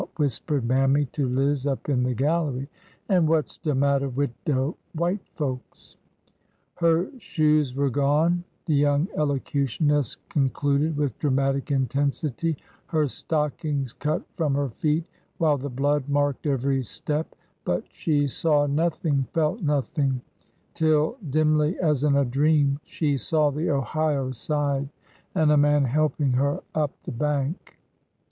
whispered Mammy to Liz up in the gallery. An' what 's de matter wid de white folks ?" Her shoes were gone," the young elocutionist con cluded with dramatic intensity ;'' her stockings cut from her feet, while the blood marked every step ; but she saw nothing, felt nothing, till, dimly as in a dream, she saw the Ohio side, and a man helping her up the bank."